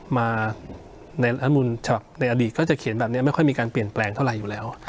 มาในรัฐมนุนฉบับในอดีตก็จะเขียนแบบนี้ไม่ค่อยมีการเปลี่ยนแปลงเท่าไหร่อยู่แล้ว